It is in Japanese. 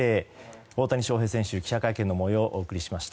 大谷翔平選手、記者会見の模様をお伝えしました。